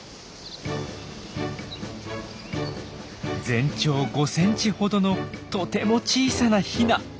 全長５ｃｍほどのとても小さなヒナ。